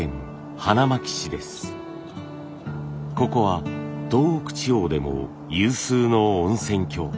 ここは東北地方でも有数の温泉郷。